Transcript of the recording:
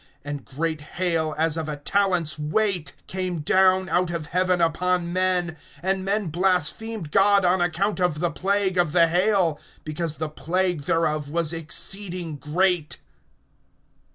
(21)And great hail, as of a talent's weight, comes down out of heaven upon men; and men blasphemed God on account of the plague of the hail; because the plague thereof was exceeding great.